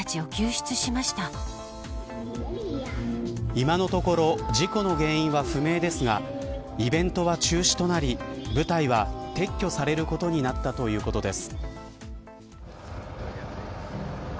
今のところ事故の原因は不明ですがイベントは中止となり舞台は撤去されることになったということです。